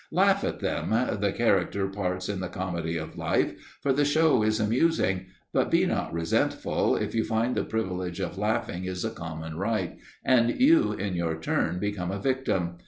Laugh at them, the character parts in the comedy of life, for the show is amusing, but be not resentful if you find the privilege of laughing is a common right, and you in your turn become a victim.